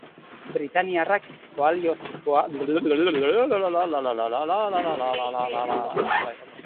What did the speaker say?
Britainiarrak koalizioetara ohitzen joan beharko dira.